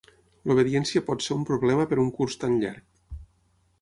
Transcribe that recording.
L'obediència pot ser un problema per un curs tan llarg.